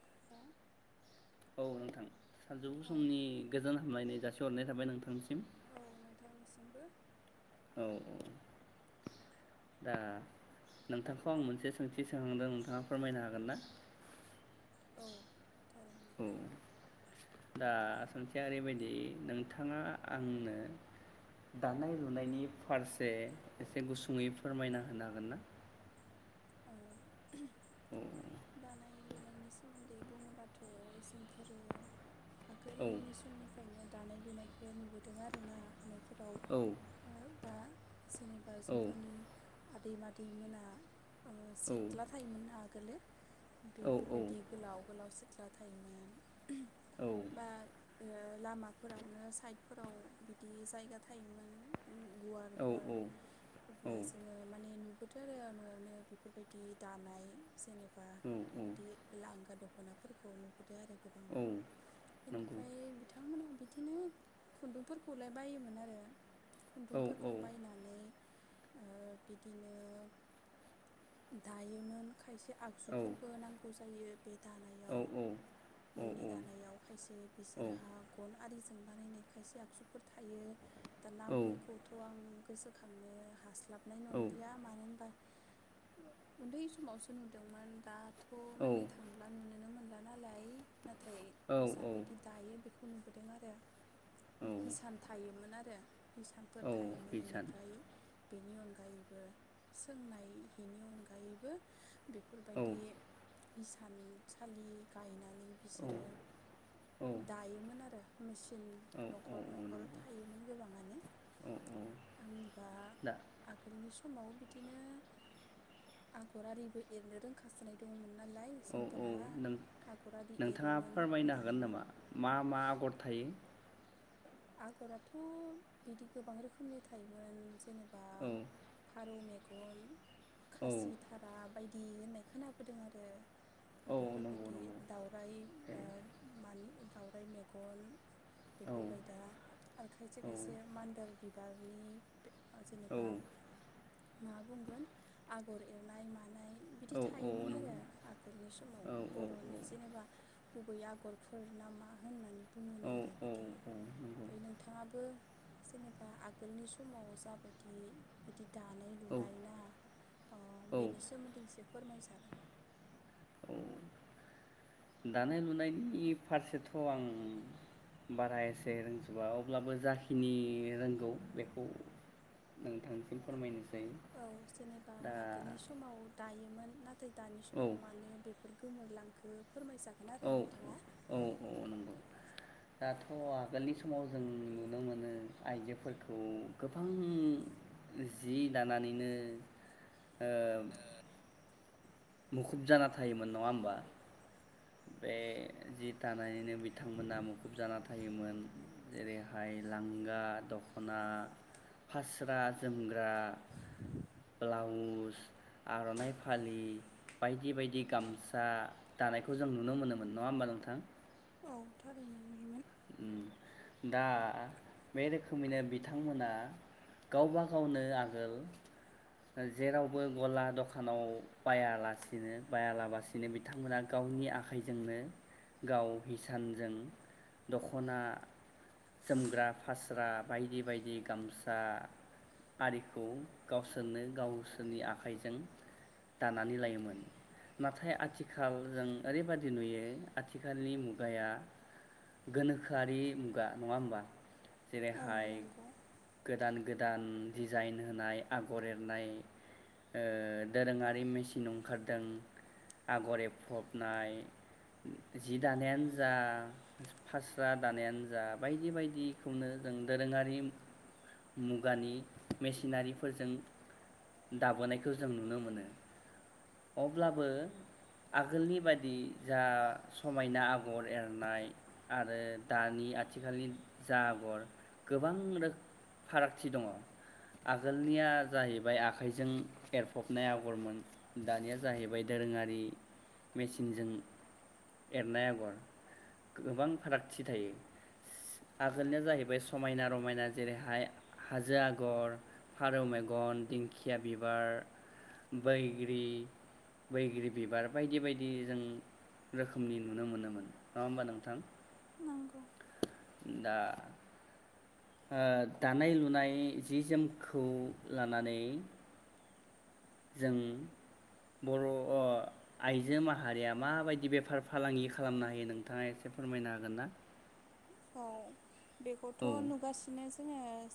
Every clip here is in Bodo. [inaudible] औ नोंथां सानजौफु औ समनि गोजोन हामलायनाय जासि हरनाय थाबाय नोंथांनि सिमबो औ औ दा नोंथांखौ आं मोनसे सोंथि सोंदों नोंथाङा फोरमायनो हागोन ना? औ थारैनो दा खोथाया ओरैबायदि नोंथाङा आंनो दानाय लुनायनि फारसे एसे गुसुङै फोरमायना होनो हागोन ना? औ [inaudible] दानाय लुनायनि सोमोन्दै बुङोबाथ' जोंफोरो औ आगोलनि समनिफ्रायनो दानाय लुनायखो नुबोदों आरो ना। न'फोराव औ ओ बा जेनेबा औ जोंफोरनि आदै मादै मोना ओ औ सिथला थायोमोन आगोलो। औ औ बेफोरबायदि गोलाव गोलाव ला थायोमोन। औ बा ओ लामाफोरावनो साइडफोराव बिदि जायगा थायोमोन। गुवार गुवार औ अब्ला जोङो माने नु [unintelligible] न'आवनो बेफोरबायदि दानाय जेने बा औ बिदि लांगा दख दखनाफोरखौ नुबोदो आरो। औ नंगौ इनिफ्राय बिथांमोना बिद दिनो खुन्दुंफोरखौलाय बायोमोन आरो। औ खुन्दुंफोरखौ बायनानै ओ बिदिनो दायोमोन खायसे औ आगजुफोरबो नांगौ जायो। बे औ दानायाव औ न' नि दानायाव खायसे औ बिसोरहा गन आरि बानायनाय खायसे आगजुफोर थायो। नामफोरखौथ आं गोसोखांनो हास्लाब नाय नंलिया मानो होनबा उन्दै समावसो नुदोंमोन दा थ औ नायनो थाङाब्ला नुनोनो मोन नाय नाथाय जाबादि दायो बेफ बे खौ नुबोदों आरो। औ हिसान थायोमोन आरो। इसानफोर औ थायोमोन बिसान बेनिफ्राय बेनि अनगायैबो सोंनाय बेनि अनगायैबो औ बेफोरबायदि हिसानसालि गायनानै मि बिसोरो औ दायोमोन आरो मेसिन औ औ न'खर न'खर नंगौ थायोमोन गोबाङानो औ आंनिबा दा आगोलनि सम समाव बिदिनो आगरारिबो एरनो रोंखासोनाय दङमोन। औ औ नों आरि नोंथाङा एरोमोन फोरमायनो हागोन दायोमोन नामा मा मा आगर थायो? आगराथ' बिदि गोबां रोखोमनि थायोमोन। जेनेबा औ फारौ मेग गल औ खासि थारा बायदि बि होननाय खोनाबोदों आरो। औ नंगौ बेफोरबायदि नंगौ औ दावराय ओ मानि दाउराइ मेगन औ बेफोर बायद आरो खायसे औ खायसे मानदोल बिबारनि औ जेनेबा मा बुंगोन आगर एरनाय मानाय बिदि थायोमोन नंगौ आरो आगोलनि समाव औ बरनि जेनेबा गुबै आगरफोर ना मा होननानै औ बुङोनो आरो औ बिदि औ नंगौ ओमफ्राय नोंथाङाबो जेनेबा आगोलनि समाव जाबायदि बिदि दानाय नंगौ लुनाय ना ओ औ बेनि सोमोन्दै एसे फोरमायजागोन औ दानाय लुनायनि फारसेथ आं बारा एसे रोंजोबा अब्लाबो जाखिनि रोंगौ बेखौ ओ औ जेनेबा दा आगोलनि समाव दायोमोन नाथाय दानि औ समाव माने बेफोर गोमोरलांखो फोरमाय जागोन आरो औ नोंथाङा औ नंगौ दाथ आगोलनि समाव जों नुनो मोनो आइजोफोरखौ गोबां जि दानानैनो ओ मुखुब जाना थायोमोन नङा होमबा बे जि दानायनिनो बिथांमोना मुखुब जाना थायोमोन जेरैहाय लांगा दखना फास्रा जोमग्रा ब्लाउस आरनाइ फालि बायदि बायदि गामसा दानायखौ जों नुनो मोनोमोन नङा होमबा नोंथां औ थारैनो लुयोमोन दा बे रोखोमैनो बिथांमोना गावबा गावनो आगोल जेरावबो गला दखानाव बायालासिनो बायालाबासिनो बिथांमोना गावनि आखाइजोंनो गाव हिसानजों दखना जोमग्रा फास्रा बायदि बायदि गामसा आरिखौ गावसोरनो गावसोरनि आखाइजों दानानै लायोमोन नाथाय आथिखाल जों ओरैबाददि नुयो आथिखालनि मुगाया गोनोखोआरि मुगा नङा होमबा औ जेरैहाय नंगौ। गोदान गोद गोदान डिजाइन होनाय आगर एरनाय ओं दोरोङारि मेसिन ओंखारदों आगर एरफबनाय जि दानायानो जा फास्रा दानायानो जा बायदि बायदिखौनो जों दोरोङारि मुगानि मेसिनारिफोरजों दाबोनायखौ जों नुनो मोनो अब्लाबो आगोलनि बादि जा समायना आगर एरनाय आरो दानि आथिखालनि जा आगर गोबां रोख फारागथि दङ आगोलनिया जाहैबाय आखाइजों एरफबनाय आगरमोन दानिया जाहैबाय दोरोङारि मेसिनजों एरनाय आगर गोबां फारागथि थायो आगोलनिया जाहैबाय समायना रमायना जेरैहाय हाजो आगर फारौ मेगन दिंखिया बिबार बैग्रि बैग्रि बिबार बायदि बायदि जों रोखोमनि नुनो मोनोमोन नङा होमबा नोंथां नंगौ दा ओ दानाय लुनाय जि जोमखौ लानानै जों बर अ आइजो माहारिया मा बायदि बेफार फालांगि खालामनो हायो नोंथाङा एसे फोरमायनो हागोन ना औ बेखौथ औ नुगासिनो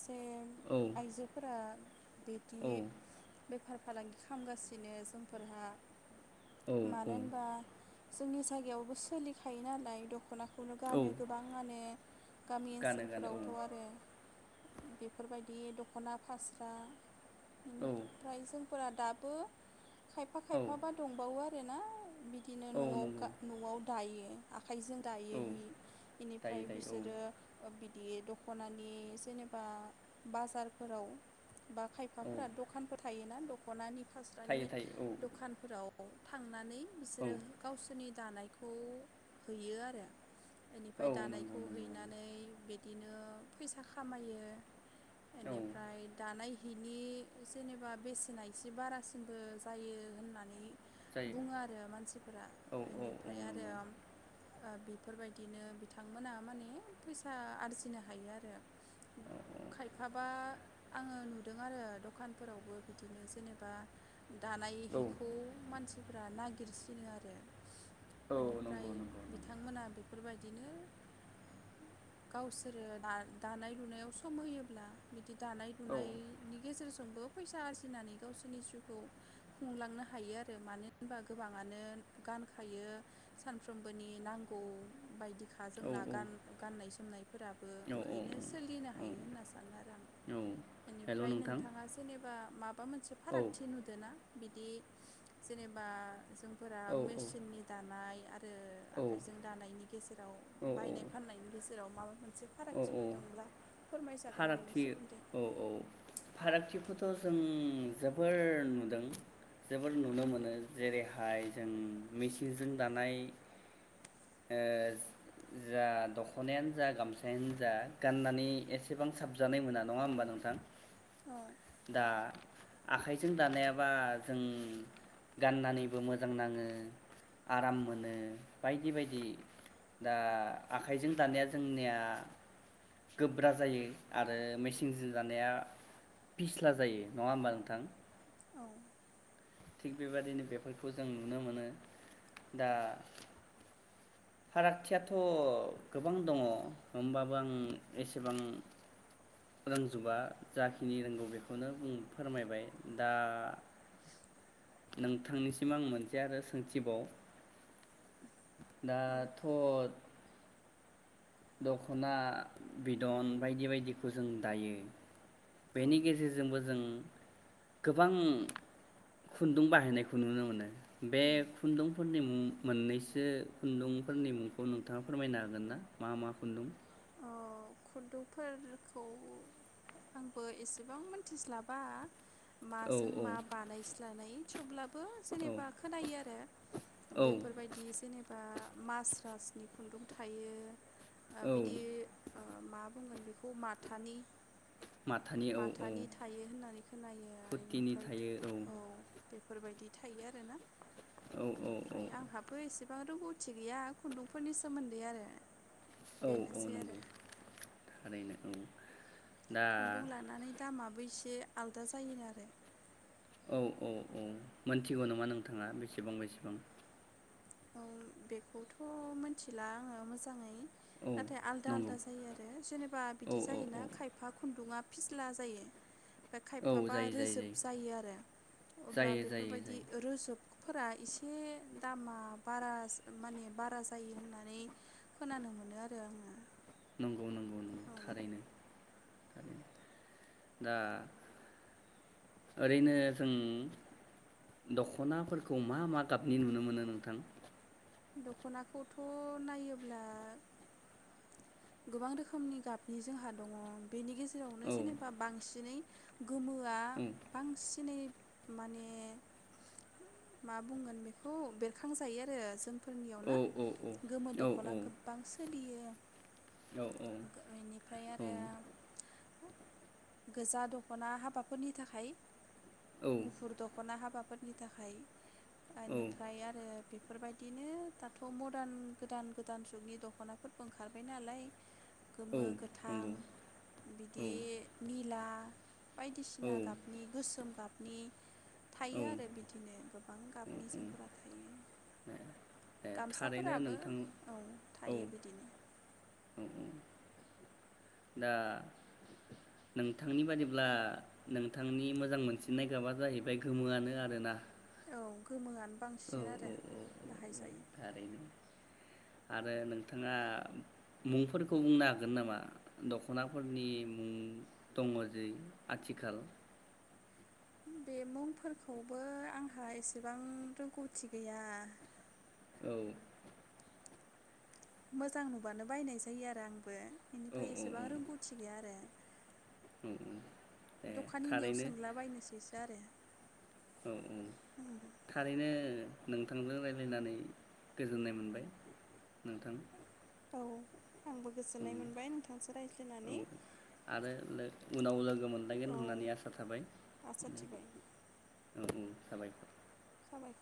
ए औ आइजोफोरा बिदि औ बेफार फालांगि खामगासिनो जोंफोरहा औ मानो होनबा औ जोंनि जायगायावबो सोलिखायो नालाय दखना खौनो गानो औ गोबां गामि गानो गानो ओनसोलफोरावथ आरो बेफोरबायदि दखना फास्रा औ ओम-फ्राय जों फोरा दाबो खायफा औ खायफाबा दंबावो आर होनाय बिद दिनो औ न'आव नंगौ गा न'आव दायो। खाइजों औ दायो हि। दायो फ्राय दायो बिसोरो औ ओ बिदि दखनानि जेनेबा बाजारफोराव बा औ खायफाफ्रा दखानबो थायोना? दखनानि थायो फास्रानि थायो औ दखानफोराव औ थांनानै औ बिसोरो गावसोरनि दानाय खौ हैयो आरो फाय औ नंगौ दानायखौ नंगौ हैनानै बिदिनो फैसा खामायो। औ एनिफ्राय दानाय हिनि जेनेबा बेसेना एसे बारासिनबो जायो होननानै जायो बुङो आरो मानसिफोरा औ औ औ एनिफ्राय आरो नंगौ ओ बेफोरबायदिनो बिथांमोना माने फैसा आरजिनो हायो आरो। औ खायफाबा आङो नुदों आरो दखानफोरावबो बिदिनो जेनेबा दानाय औ हिखौ मानसि फोरा नागिरसिनो आरो। औ ओनिफ्राय नंगौ नंगौ नंगौ बिथांमोना बेफोरबाय दिनो गावसोरो दा-दानाय लुनायाव सम होयोब्ला बि बि दानाय औ लुनायनि गेजेर जो फ्रोमबो फैसा आरजिनानै गावसोरनि जिउखौ खुंलांनो हायो आरो। मानो होनबा गोबाङानो गानखायो सानफ्रोमबोनि नांगौ बायदि खा औ जोंना औ गान-गाननाय जोमनायफोराबो औ ओंखायनो सोलिनो औ हायो होनना सानो आरो आं। औ हेल' ओनिफ्राय नोंथां नोंथाङा जेनेबा माबा मोनसे औ फारागथि नुदो ना? बिदि जेनेबा जों फोरा औ औ मेसिननि दानाय ओ औ आखाइजों दानायनि गेजेर राव बायनाय फाननायनि गेजेराव माबा मोन औ औ बेनि फारागथि सोमोन्दै औ औ फारागथि खौथ थ जों जोबोर नुदों जोबोर नुनो मोनो जेरैहाय जों मिचिनजों दानाय ओ जा दखनायानो जा गामसा यानो जा गाननानै एसेबां साबजानाय मोना नङा होमबा नोंथां औ दा आखाइजों दानायाबा जों गाननानैबो मोजां नाङो आराम मोनो बायदि बायदि दा आखाइजों दानाया जोंनिया गोब्रा जायो आरो मेसिनजों जानाया पिस्ला जायो नङा होमबा नोंथां औ थिग बेबायदिनो बेफोरखौ जों नुनो मोनो दा फारागथियाथ गोबां दङ होमबाबो आं एसेबां रोंजोबा जाखिनि रोंगौ बेखौनो बुं फोरमायबाय दा नोंथांनिसिम आं मोनसे आरो सोंथिबाव दाथ दखना बिदन बायदि बायदिखौ जों दायो औ बेनि गेजेरजोंबो जों गोबां खुन्दुं बाहायनायखौ नुनो मोनो बे खुन्दुंफोरनि मुं मोननैसो खुन्दुंफोरनि मुंखौ नोंथाङा फोरमायनो हागोन ना? मा मा खुन्दुं? अ खुन्दुंफोरखौ आंबो एसेबां मिथिस्लाबा औ माजों औ मा बानायस्लानाय थेवब्लाबो औ जेनेबा खोनायो आरो औ बेफोरबायदि जेनेबा मास्रास नि खुन्दुं थायो। ओ औ बिदि मा बुंगोन बेखौ माथानि माथानि औ औ माथानि थायो होननानै खोनायो फुथिनि इनिफ्रायथ थायो औ बेफोरबायदि थायो आरोना। औ औ औ इनिफ्राय आंहाबो एसेब बां रोंगौथि गैया खुन्दुंफोरनि सोमोन्दै आरो। औ औ बेनोसै आरो नंगौ। थारैनो औ। दा खुन्दुं लानानै दामाबो एसे आलादा जायो आरो। औ औ औ मोनथिगौ नामा नोंथाङा बेसेबां बेसेबां? औ बेखौथ मिथिला आङो मोजाङै औ नाथाय आलदा नंगौ आलदा जायो आरो जेनेबा औ बिदि औ औ जायोना खायफा खुन्दुङा फिस्ला जायो। बे खायफाबा रोजोब जायो आरो अब्ला जायो जायो बेफोरबायदि जायो रोजोबखौ फोरा एसे दामा बारा माने बारा जायो होननानै खोनानो मोनो आरो आङो। नंगौ नंगौ नंगौ औ थारैनो। दा ओरैनो जों दखनाफोरखौ मा मा गाबनि नुनो मोनो नोंथां? दखनाखौथ नायोब्ला गोबां रोखोमनि गाबनि जोंहा दङ। बेनि गेजेरावनो औ जेनेबा बांसिनै गोमोआ औ बांसिनै माने मा बुंगोन बेखौ बेरखांजायो आरो जों औ फोरनियावनो औ गोमो औ दखना गोबां सोलियो। बेनिफ्राय आरो गोजा दखना हाबाफोरनि थाखाय औ गुफुर दखना हाबाफोर नि थाखाय ओनिफाय आरो बेफोरबायदिनो दाथ मर्दान गोदान गोदान जुगनि दखनाफोरबो ओंखारबाय नालाय औ गोमो, गोथां नंगौ औ बिदि निला औ बायदिसिना गाबनि गोसोम गाबनि औ थायो आरो बिदिनो गोबां गाबनि औ जोमग्रा थायो। ए थारैनो गामसाफोराबो नोंथां औ औ थायो बिदिनो औ दा नोंथांनि बादिब्ला नोंथांनि मोजां मोनसिननाय गाबा जाहैबा य गोमोआनो आरोना औ गोमोआनो औ बांसिन औ आरो औ बाहायजायो थारैनो आरो नोंथाङा मुंफोरखौ बुंनो हागोन नामा दखनाफोरनि मुं दङ जै आथिखाल बे मुंफोरखौबो आंहा एसेबां रोंगौथि गैया औ मोजां नुबानो बायनाय जायो आरो आंबो औ बेनिफ्राय औ एसेबां औ रोंगौथि गैया आरो औ दे दखानिनियाव थारैनो सोंलाबायनोसैसो आरो औ औ थारैनो नोंथांजों रायलायनानै गोजोननाय मोनबाय नोंथां औ आंबो उम गोजोननाय मोनबाय नोंथांजों औ रायज्लायनानै आरो उनाव लोगो मोनलायगोन औ होननानै आसा थाबाय आसा थिबाय औ साबायखर साबायखर